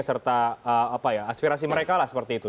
serta aspirasi mereka lah seperti itu